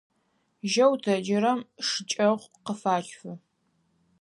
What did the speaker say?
Жьэу тэджырэм шыкӀэхъу къыфалъфы.